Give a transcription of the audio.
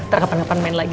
terang ke tempat main lagi